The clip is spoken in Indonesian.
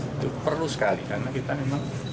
itu perlu sekali karena kita memang